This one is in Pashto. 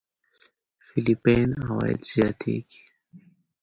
فېليپين عوايد زياتېږي.